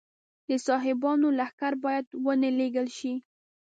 د صحابو لښکر باید ونه لېږل شي.